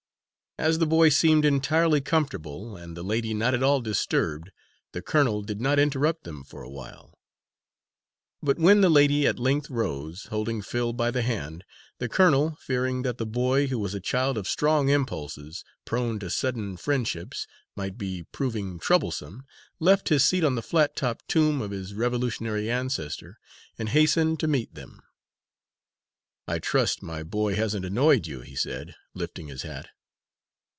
As the boy seemed entirely comfortable, and the lady not at all disturbed, the colonel did not interrupt them for a while. But when the lady at length rose, holding Phil by the hand, the colonel, fearing that the boy, who was a child of strong impulses, prone to sudden friendships, might be proving troublesome, left his seat on the flat topped tomb of his Revolutionary ancestor and hastened to meet them. "I trust my boy hasn't annoyed you," he said, lifting his hat.